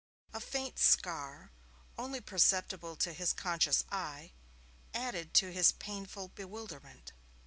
A faint scar, only perceptible to his conscious eye, added to his painful bewilderment.